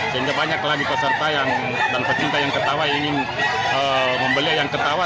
sehingga banyak lagi peserta dan pecinta yang ketawa yang ingin membeli ayam ketawa